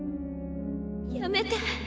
やめて。